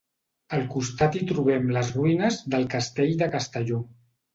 Al costat hi trobem les ruïnes del Castell de Castelló.